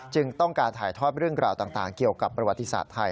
ต้องการถ่ายทอดเรื่องราวต่างเกี่ยวกับประวัติศาสตร์ไทย